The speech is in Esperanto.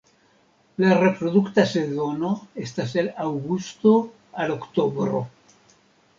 La reprodukta sezono estas el aŭgusto al oktobro.